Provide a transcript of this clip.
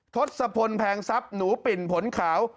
ทศพลแพงทรัพย์หนูปิ่นผลขาว